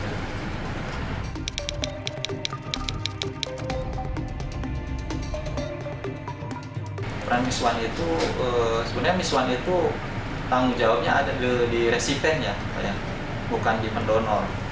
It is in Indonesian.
peran miss huang itu sebenarnya miss huang itu tanggung jawabnya ada di resipennya bukan di pendonor